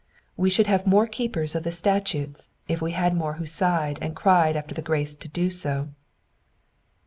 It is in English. We should have more keepers of the statutes if we had more who sighed and cried after the grace to do so.